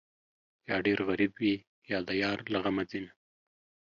یا ډېر غریب وي، یا د یار له غمه ځینه